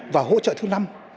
và hỗ trợ thứ năm